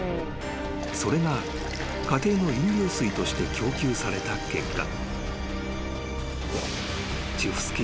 ［それが家庭の飲料水として供給された結果］